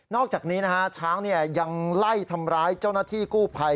อกจากนี้นะฮะช้างยังไล่ทำร้ายเจ้าหน้าที่กู้ภัย